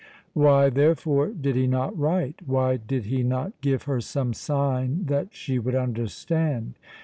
Why, therefore, did he not write, why did he not give her some sign that she would understand?